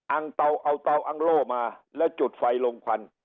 อังเต๋าเอาเต๋าอังโลโมมาและจุดไฟลงควัน